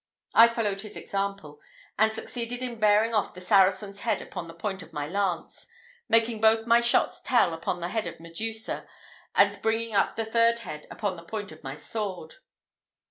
I followed his example, and succeeded in bearing off the Saracen's head upon the point of my lance, making both my shots tell upon the head of Medusa, and bringing up the third head upon the point of my sword.